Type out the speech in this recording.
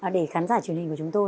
để khán giả truyền hình của chúng tôi